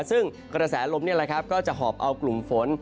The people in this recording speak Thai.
ซึ่งกระแสลมนี่แหละครับก็จะหอบเอากลุ่มฝน